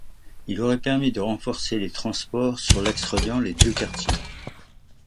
Il aurait permis de renforcer les transports sur l'axe reliant les deux quartiers.